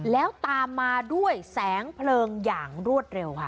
แล้วตามมาด้วยแสงเพลิงอย่างรวดเร็วค่ะ